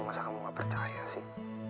masa kamu gak percaya sih